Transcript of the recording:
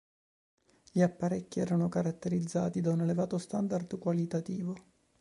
Gli apparecchi erano caratterizzati da un elevato standard qualitativo.